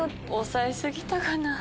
抑え過ぎたかな。